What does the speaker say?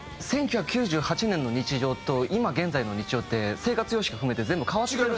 １９９８年の日常と今現在の日常って生活様式も含めて全部変わってる。